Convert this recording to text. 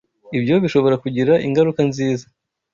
Ibyo bishobora kugira ingaruka nziza